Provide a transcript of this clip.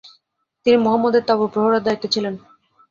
তিনি মুহাম্মাদের তাবুর প্রহরার দায়িত্বে ছিলেন।